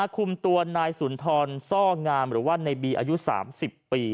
คุมตัวนายสุนทรซ่องามหรือว่าในบีอายุ๓๐ปี